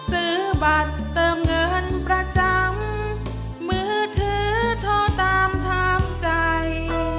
ซื้อบัตรเติมเงินประจำมือถือโทรตามถามใจ